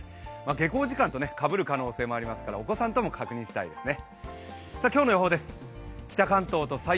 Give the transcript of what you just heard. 下校時間とかぶる可能性もありますからお子さんとも確認したいですね。